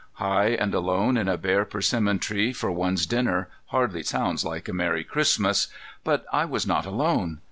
High and alone in a bare persimmon tree for one's dinner hardly sounds like a merry Christmas. But I was not alone.